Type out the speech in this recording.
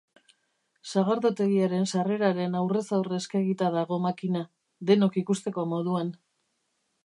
Sagardotegiaren sarreraren aurrez aurre eskegita dago makina, denok ikusteko moduan.